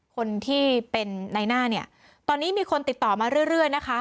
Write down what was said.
คนที่เป็นในหน้าเนี่ยตอนนี้มีคนติดต่อมาเรื่อยนะคะ